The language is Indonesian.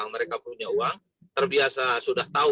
mereka punya uang terbiasa sudah tahu